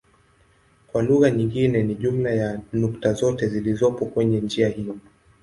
Kwa lugha nyingine ni jumla ya nukta zote zilizopo kwenye njia hiyo.